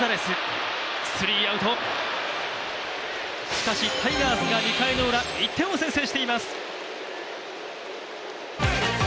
しかしタイガースが２回のウラ、１点を先制しています。